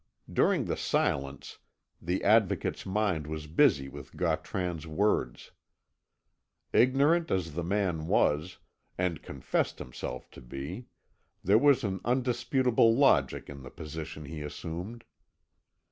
During the silence the Advocate's mind was busy with Gautran's words. Ignorant as the man was, and confessed himself to be, there was an undisputable logic in the position he assumed.